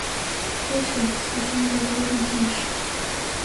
崔氏四兄弟都中进士。